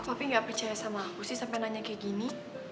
tapi gak percaya sama aku sih sampai nanya kayak gini